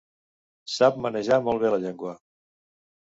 Sap manejar molt bé la llengua.